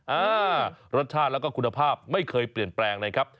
อ่ารสชาติแล้วก็คุณภาพไม่เคยเปลี่ยนแปลงนะครับ